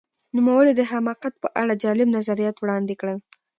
نوموړي د حماقت په اړه جالب نظریات وړاندې کړل.